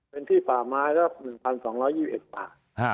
เป็นที่ป่าไม้แล้ว๑๒๒๑ป่า